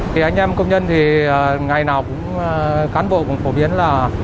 thì anh em công nhân thì ngày nào cũng cán bộ cũng phổ biến là